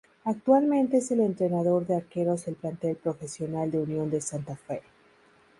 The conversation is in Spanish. Actualmente es el entrenador de arqueros del plantel profesional de Unión de Santa Fe.